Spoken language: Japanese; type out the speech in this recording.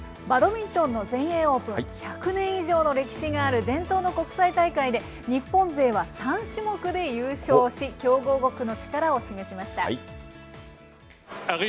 バドミントンの全英オープン、１００年以上の歴史がある伝統の国際大会で、日本勢は３種目で優勝し、強豪国の力を示しました。